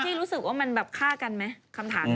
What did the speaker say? รู้สึกว่ามันแบบฆ่ากันไหมคำถาม